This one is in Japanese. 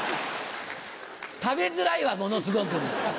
食べづらいわものすごく。